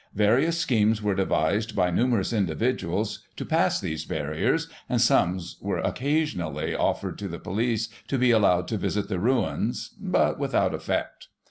Various schemes were devised, by numerous individuals, to pass these barriers, and sums were, occasionally, offered to the police to be allowed to visit the ruins, but without effect.